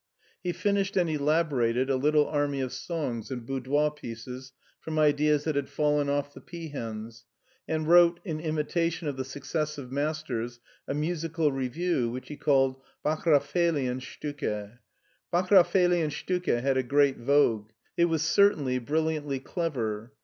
He finished and elaborated a little army of songs and boudoir pieces from ideas that had fallen off the peahens, and wrote, in imitation of the successive mas ters, a musical revue which he called " Bachravellian stiicke." *' Backravellianstucke " had a great vogue. It was certainly brilliantly clever.